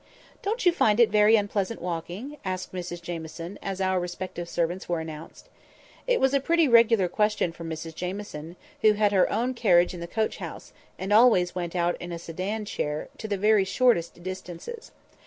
"Don't you find it very unpleasant walking?" asked Mrs Jamieson, as our respective servants were announced. It was a pretty regular question from Mrs Jamieson, who had her own carriage in the coach house, and always went out in a sedan chair to the very shortest distances.